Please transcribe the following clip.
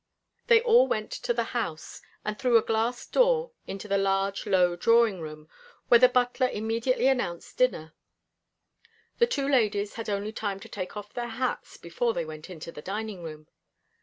They all went to the house, and through a glass door into the large low drawing room, where the butler immediately announced dinner. The two ladies had only time to take off their hats before they went into the dining room.